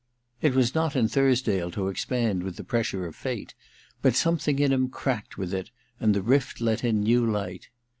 It was not in Thursdale to expand with the pressure of fate ; but something in him cracked with it, and the rift let in new light.